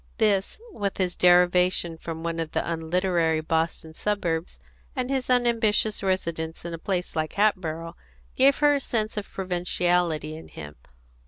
This, with his derivation from one of the unliterary Boston suburbs, and his unambitious residence in a place like Hatboro', gave her a sense of provinciality in him.